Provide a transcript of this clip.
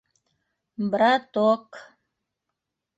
«Браток!»